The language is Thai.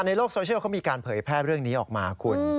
ในโลกโซเชียลเขามีการเผยแพร่เรื่องนี้ออกมาคุณ